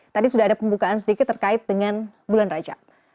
tadi sudah ada pembukaan sedikit terkait dengan bulan raja